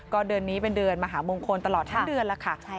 ก็เดือนนี้เป็นเดือนมหามงคลตลอดทั้งเดือนแล้วค่ะ